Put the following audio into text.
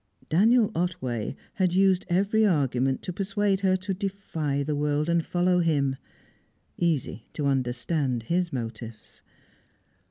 Daniel Otway had used every argument to persuade her to defy the world and follow him easy to understand his motives.